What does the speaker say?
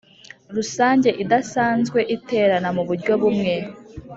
Rusange idasanzwe iterana mu buryo bumwe